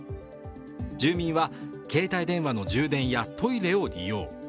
住民は携帯電話の充電やトイレを利用。